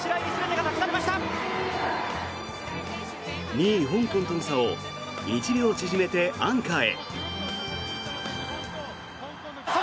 ２位、香港との差を１秒縮めてアンカーへ。